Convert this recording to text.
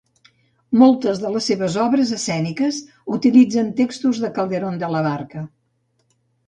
Moltes de les seves obres escèniques utilitzen textos de Calderón de la Barca.